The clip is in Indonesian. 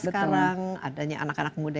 sekarang adanya anak anak muda